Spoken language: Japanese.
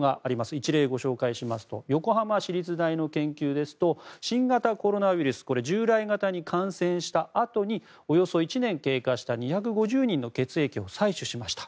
一例をご紹介しますと横浜市立大の研究ですと新型コロナウイルス従来型に感染したあとにおよそ１年経過した２５０人の血液を採取しました。